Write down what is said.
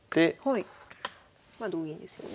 まあ同銀ですよね。